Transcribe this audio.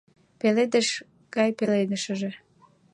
Пеледыш гай пеледшыже